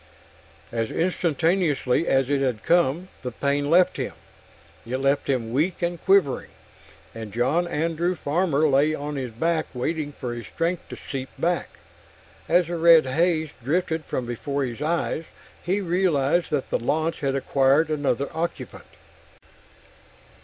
As instantaneously as it had come, the pain left him. It left him weak and quivering, and John Andrew Farmer lay on his back waiting for his strength to seep back. As the red haze drifted from before his eyes, he realized that the launch had acquired another occupant.